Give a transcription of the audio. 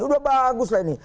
udah bagus lah ini